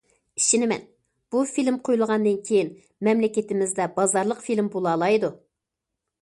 ئىشىنىمەن بۇ فىلىم قويۇلغاندىن كېيىن، مەملىكىتىمىزدە بازارلىق فىلىم بولالايدۇ.